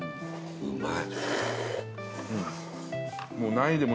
うまーい！